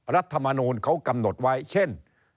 รัฐมนูลเขากำหนดไว้เช่น